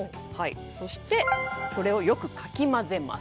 そして、それをよくかき混ぜます。